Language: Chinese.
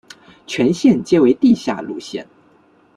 全线皆为地下路线。